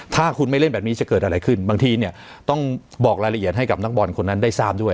ถ้าคุณไม่เล่นแบบนี้จะเกิดอะไรขึ้นบางทีเนี่ยต้องบอกรายละเอียดให้กับนักบอลคนนั้นได้ทราบด้วย